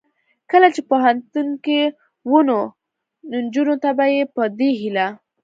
کله چې پوهنتون کې و نو نجونو ته به یې په دې هیله